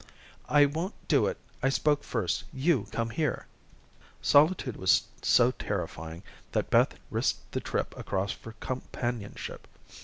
"I won't do it. I spoke first You come here." Solitude was so terrifying that Beth risked the trip across for companionship.